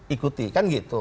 ikuti kan gitu